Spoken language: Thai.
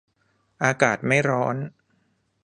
อากาศไม่ร้อน